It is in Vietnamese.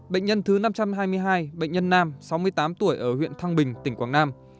bệnh nhân thứ năm trăm hai mươi hai bệnh nhân nam sáu mươi tám tuổi ở huyện thăng bình tỉnh quảng nam